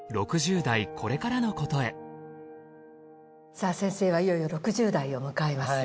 さあ先生はいよいよ６０代を迎えます。